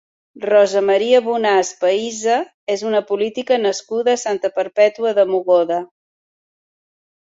Rosa Maria Bonàs Pahisa és una política nascuda a Santa Perpètua de Mogoda.